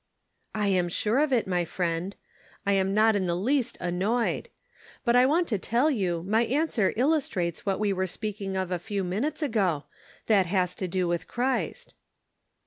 " I am sure of it, my friend. I am not in the least annoyed ; but I want to tell you my answer illustrates what we were speaking of a few minutes ago, that has to do with Christ."